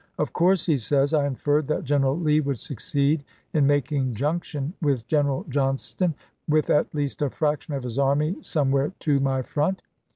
"Of course," he says, "I inferred that General Lee would succeed in making junction with General Johnston, with at least a fraction of his army, some "Mem^S" where to my front."